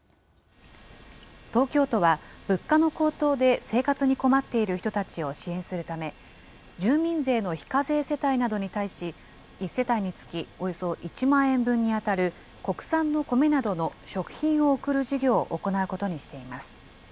東京都は、物価の高騰で生活に困っている人たちを支援するため、住民税の非課税世帯などに対し、１世帯につきおよそ１万円分に当たる国産の米などの食品を送る事業を行うことにしています。